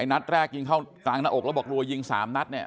นัดแรกยิงเข้ากลางหน้าอกแล้วบอกรัวยิง๓นัดเนี่ย